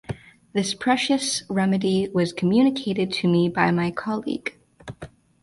This precious remedy was communicated to me by my colleague.